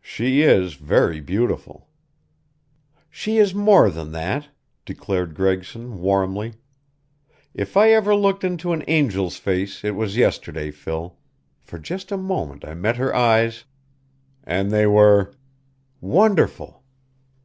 "She is very beautiful." "She is more than that," declared Gregson, warmly. "If I ever looked into an angel's face it was yesterday, Phil. For just a moment I met her eyes " "And they were " "Wonderful!"